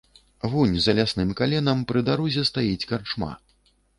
Вунь за лясным каленам, пры дарозе стаіць карчма.